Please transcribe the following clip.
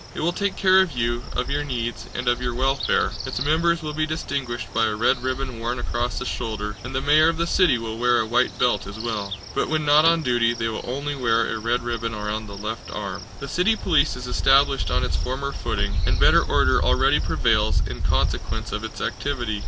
It will take care of you, of your needs, and of your welfare. Its members will be distinguished by a red ribbon worn across the shoulder, and the mayor of the city will wear a white belt as well. But when not on duty they will only wear a red ribbon round the left arm. The city police is established on its former footing, and better order already prevails in consequence of its activity.